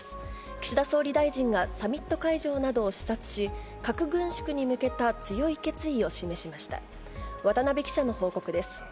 岸田総理大臣がサミット会場などを視察し、核軍縮に向けた強い決意を示しました。